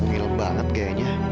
nunggu banget kayaknya